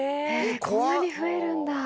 こんなに増えるんだ。